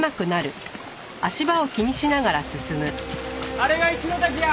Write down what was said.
あれが一の滝や。